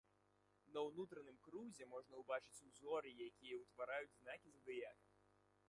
На ўнутраным крузе можна ўбачыць сузор'і, якія ўтвараюць знакі задыяка.